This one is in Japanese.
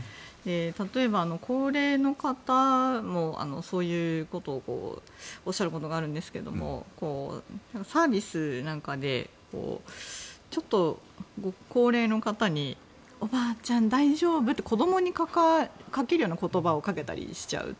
例えば高齢の方もそういうことをおっしゃることがあるんですけどサービスなんかでちょっと、高齢の方におばあちゃん、大丈夫？って子供にかけるような言葉をかけたりしちゃう。